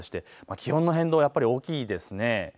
気温の変動が大きいです。